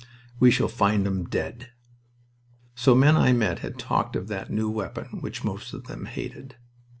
We shall find 'em dead." So men I met had talked of that new weapon which most of them hated.